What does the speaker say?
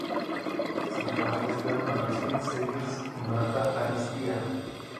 Sus padres fueron Agustín Zegers y Marta Ariztía.